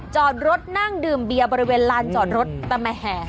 จอดรถนั่งดื่มเบียร์บริเวณลานจอดรถแต่แหม